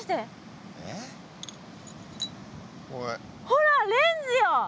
ほらレンズよ！